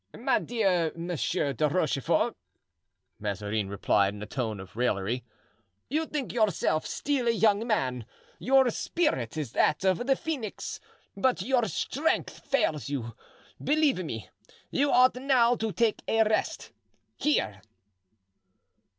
"My dear Monsieur de Rochefort," Mazarin replied in a tone of raillery, "you think yourself still a young man; your spirit is that of the phoenix, but your strength fails you. Believe me, you ought now to take a rest. Here!"